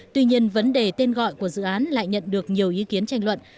tuy nhiên vấn đề tên gọi của dự án lại nhận được nhiều ý kiến tranh luận